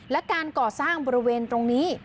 และการก่อสร้างบริเวณตรงนี้